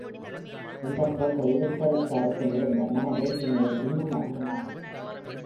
இந்தக் கொள்கை இருதரத்தாருக்கும் இருந்த மன வேற்றுமையை இன்னும் அதிகமாக்கிற்று.